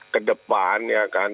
kedepan ya kan